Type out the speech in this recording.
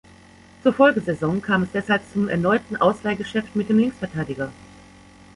Zur Folgesaison kam es deshalb zum erneuten Ausleihgeschäft mit dem Linksverteidiger.